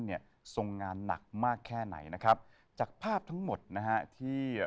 ด้วยความรักด้วยพักดี